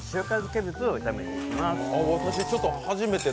キャベツを炒めていきます。